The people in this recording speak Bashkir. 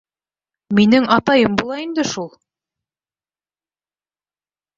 — Минең атайым була инде шул!